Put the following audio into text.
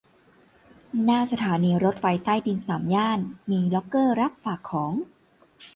หน้าสถานีรถไฟใต้ดินสามย่าน มีล็อกเกอร์รับฝากของ